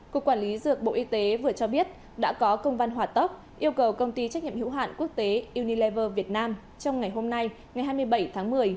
cục quản lý dược bộ y tế vừa cho biết đã có công văn hỏa tốc yêu cầu công ty trách nhiệm hữu hạn quốc tế unilever việt nam trong ngày hôm nay ngày hai mươi bảy tháng một mươi